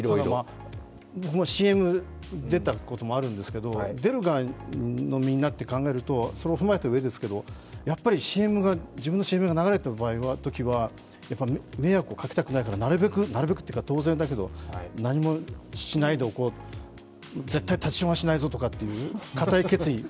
ＣＭに出たこともあるんですけど、出る側のみんなってことでいうと、それを踏まえたうえですけど自分のＣＭが流れているときは迷惑をかけたくないから当然だけど、何もしないでおこう、絶対、立ちションはしないぞという、固い決意